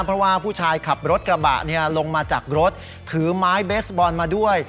เพราะว่าผู้ชายขับรถกระบะลงมาจากรถถือไม้เบสบอลมาด้วย